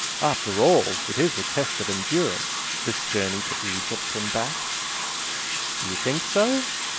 After all, it is a test of endurance this journey to Egypt and back." "Do you think so?"